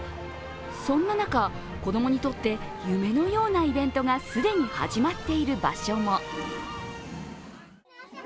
そんな中、子供にとって夢のようなイベントが既に始まっている場所も。